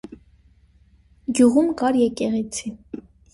Գյուղում կար եկեղեցի։